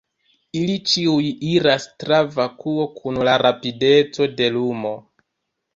Ili ĉiuj iras tra vakuo kun la rapideco de lumo.